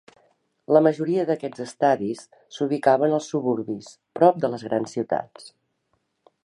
La majoria d'aquests estadis s'ubicaven als suburbis, prop de les grans ciutats.